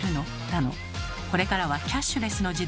だの「これからはキャッシュレスの時代よね」